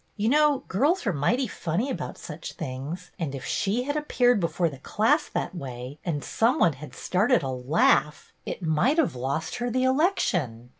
You know girls are mighty funny about such things, and if she had appeared before the class that way and some one had started a laugh, it might have lost her the election."